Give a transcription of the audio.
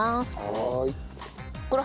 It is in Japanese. はい。